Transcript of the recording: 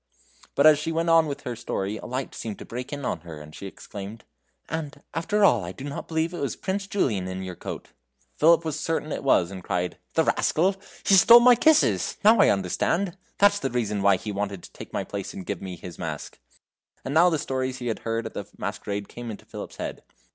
But as she went on in her story a light seemed to break in on her, and she exclaimed: "And, after all, I do not believe it was Prince Julian in your coat!" Philip was certain it was, and cried: "The rascal! He stole my kisses now I understand! That's the reason why he wanted to take my place and gave me his mask!" And now the stories he had heard at the masquerade came into Philip's head.